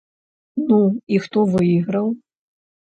Ну і хто выйграў?